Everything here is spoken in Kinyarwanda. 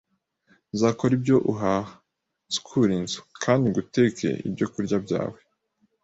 Nzakora ibyo uhaha, nsukure inzu, kandi nguteke ibyokurya byawe